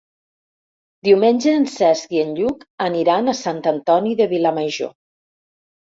Diumenge en Cesc i en Lluc aniran a Sant Antoni de Vilamajor.